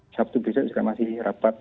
sabtu besok juga masih rapat